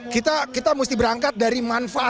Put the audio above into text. kita mesti berangkat dari manfaat